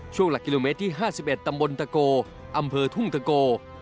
หลักกิโลเมตรที่๕๑ตำบลตะโกอำเภอทุ่งตะโก